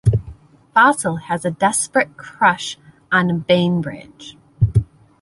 Fossil has a desperate crush on Bainbridge.